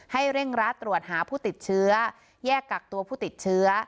เร่งรัดตรวจหาผู้ติดเชื้อแยกกักตัวผู้ติดเชื้อ